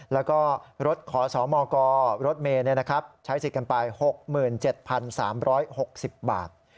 แล้วก็รถขอสมกรถเมย์ใช้สิทธิ์กันไป๖๗๓๖๐บาท